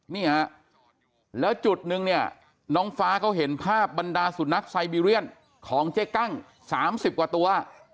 นี่ฮะแล้วจุดนึงเนี่ยน้องฟ้าเขาเห็นภาพบรรดาสุนัขไซบีเรียนของเจ๊กั้ง๓๐กว่าตัว